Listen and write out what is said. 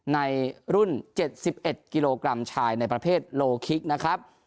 ในรุ่นเจ็ดสิบเอ็ดกิโลกรัมชายในประเภทนะครับ